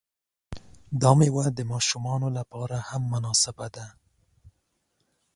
دا میوه د ماشومانو لپاره هم مناسبه ده.